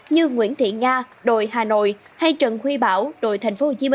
như nguyễn thị nga đội hà nội hay trần huy bảo đội tp hcm